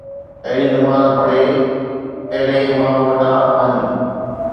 اھڙي نماز پڙھي، اھڙي امام وٽان وڃ